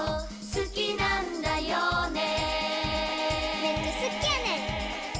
「好きなんだよね？」